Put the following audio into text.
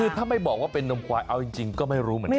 คือถ้าไม่บอกว่าเป็นนมควายเอาจริงก็ไม่รู้เหมือนกัน